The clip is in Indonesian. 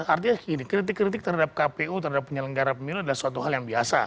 artinya gini kritik kritik terhadap kpu terhadap penyelenggara pemilu adalah suatu hal yang biasa